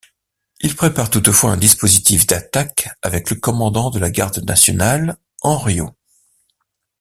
Il prépare toutefois un dispositif d'attaque avec le commandant de la Garde nationale, Hanriot.